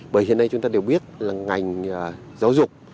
bởi hiện nay chúng ta đều biết là ngành giáo dục